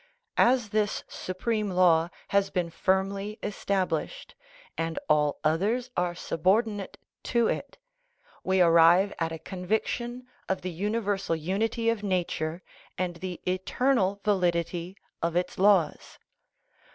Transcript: As this supreme law has been firm ly established, and all others are subordinate to it, we arrive at a conviction of the universal unity of nature and the eternal validity of its laws.